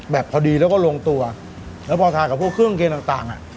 พอดีแล้วก็ลงตัวแล้วพอทานกับพวกเครื่องเคียต่างต่างอ่ะ